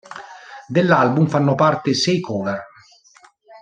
Dell'album fanno parte sei cover.